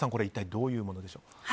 一体どういうものでしょう？